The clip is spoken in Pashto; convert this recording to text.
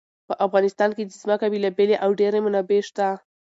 په افغانستان کې د ځمکه بېلابېلې او ډېرې منابع شته.